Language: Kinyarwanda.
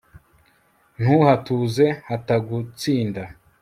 ntuhatuze hatagutsinda